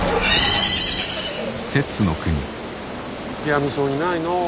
やみそうにないのう。